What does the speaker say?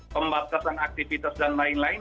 pembatasan aktivitas dan lain lain